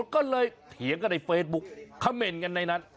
ก็เลยเถียงกันในเฟซบุ๊กคำเมนต์กันในนั้น